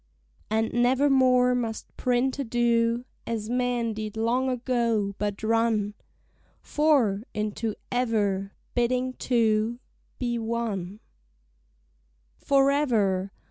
And nevermore must printer do As men did long ago; but run "For" into "ever," bidding two Be one. Forever!